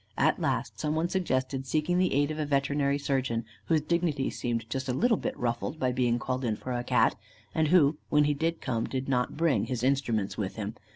At last, some one suggested seeking the aid of a veterinary surgeon, whose dignity seemed just a little bit ruffled by being called in for a Cat, and who, when he did come, did not bring his instruments with him.